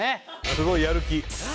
すごいやる気。